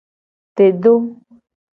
Te do.